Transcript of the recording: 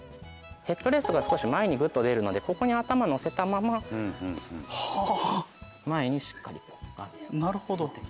ヘッドレストが少し前にグッと出るのでここに頭乗せたまま前にしっかり持ってきてもらう。